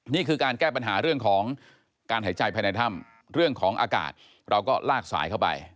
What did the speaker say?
นี่คือการแก้ปัญหาเรื่องของการหายใจภายในถ้ำเรื่องของอากาศเราก็ลากสายเข้าไป